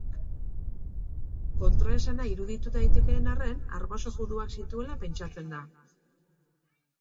Kontraesana iruditu daitekeen arren, arbaso juduak zituela pentsatzen da.